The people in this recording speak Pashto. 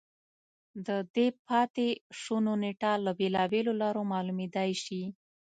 د دې پاتې شونو نېټه له بېلابېلو لارو معلومېدای شي